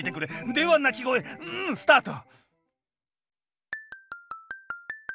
では鳴き声うんスタート